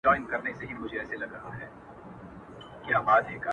ته دې هره ورځ و هيلو ته رسېږې”